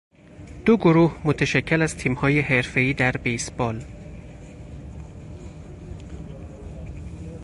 دو گروه متشکل از تیم های حرفهای در بیسبال